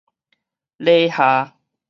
禮下